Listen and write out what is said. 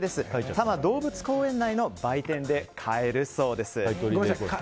多摩動物公園内の売店で買えるそうです。